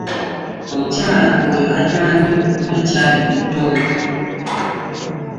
Omukyala oyo ayagala nnyo okunywa ccaayi mu tuntu.